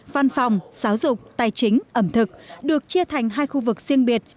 văn phòng giáo dục tài chính ẩm thực được chia thành hai khu vực riêng biệt